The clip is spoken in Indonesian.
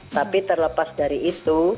tapi terlepas dari itu